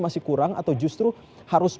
masih kurang atau justru harus